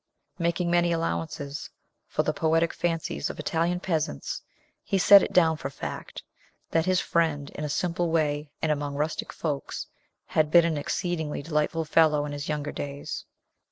Making many allowances for the poetic fancies of Italian peasants, he set it down for fact that his friend, in a simple way and among rustic folks, had been an exceedingly delightful fellow in his younger days.